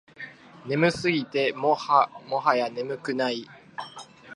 眠すぎてもはや眠くない